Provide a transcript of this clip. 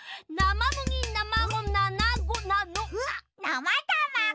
なまむぎなまごめなまたまご！